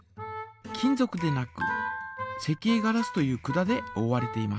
金ぞくでなく石英ガラスという管でおおわれています。